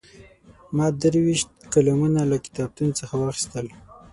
ما درې ویشت قلمونه له کتابتون څخه واخیستل.